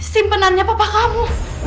simpenannya papa kamu